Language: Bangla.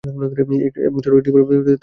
এবং চড়ুইয়ের ডিম তার নীড়ে নিয়ে এল।